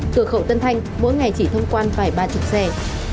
cửa khẩu tân thanh mỗi ngày chỉ thông quan vài ba mươi xe